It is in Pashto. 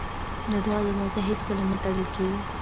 د دعا دروازه هېڅکله نه تړل کېږي.